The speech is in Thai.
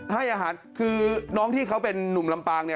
ให้อาหารคือน้องที่เขาเป็นนุ่มลำปางเนี่ย